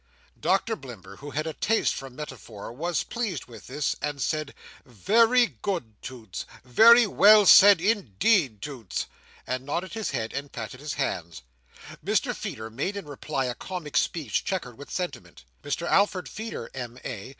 Doctor Blimber, who had a taste for metaphor, was pleased with this, and said, "Very good, Toots! Very well said, indeed, Toots!" and nodded his head and patted his hands. Mr Feeder made in reply, a comic speech chequered with sentiment. Mr Alfred Feeder, M.A.